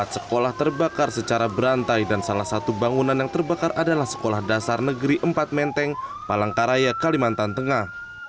empat sekolah terbakar secara berantai dan salah satu bangunan yang terbakar adalah sekolah dasar negeri empat menteng palangkaraya kalimantan tengah